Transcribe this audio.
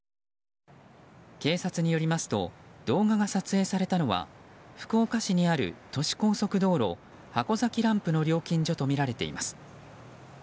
警察によりますと動画が撮影されたのは福岡市にある都市高速道路箱崎ランプの料金所とみられています。